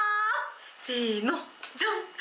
せーの、じゃん。